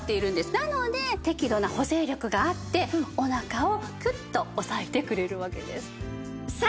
なので適度な補整力があってお腹をクッと押さえてくれるわけです。